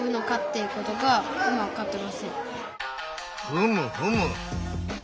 ふむふむ！